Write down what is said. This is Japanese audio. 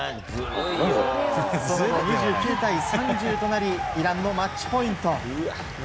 その後、２９対３０となりイランのマッチポイント。